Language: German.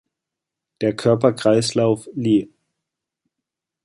Der Körperkreislauf: li.